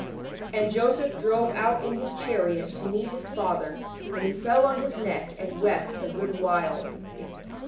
And Joseph drove out in his chariot to meet his father, and " he fell on his neck and wept a good while."